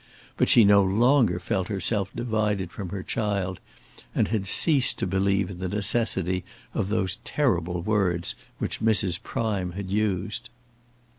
But she no longer felt herself divided from her child, and had ceased to believe in the necessity of those terrible words which Mrs. Prime had used.